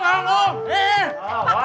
pak mau deh pak